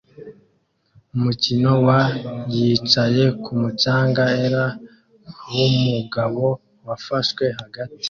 Umukino wa yicaye kumu canga er wumugabo wafashwe hagati